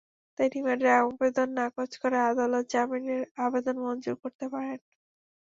তাই রিমান্ডের আবেদন নাকচ করে আদালত জামিনের আবেদন মঞ্জুর করতে পারেন।